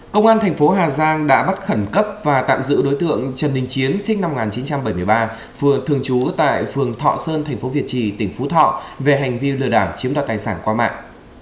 công an thành phố hà giang đã bắt khẩn cấp và tạm giữ đối tượng trần đình chiến sinh năm một nghìn chín trăm bảy mươi ba vừa thường trú tại phường thọ sơn thành phố việt trì tỉnh phú thọ về hành vi lừa đảo chiếm đoạt tài sản qua mạng